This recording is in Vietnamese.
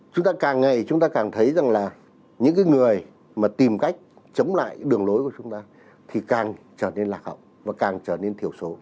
chúng ta càng ngày chúng ta càng thấy rằng là những người mà tìm cách chống lại đường lối của chúng ta thì càng trở nên lạc hậu và càng trở nên thiểu số